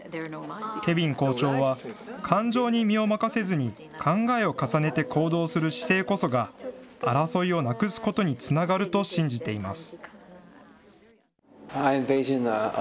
ケヴィン校長は感情に身を任せずに、考えを重ねて行動する姿勢こそが、争いをなくすことにつながると信じています。